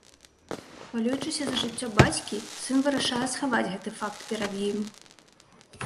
Хвалюючыся за жыццё бацькі, сын вырашае схаваць гэты факт перад ім.